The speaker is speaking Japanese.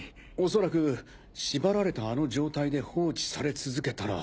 恐らく縛られたあの状態で放置され続けたら。